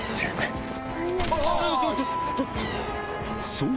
そう！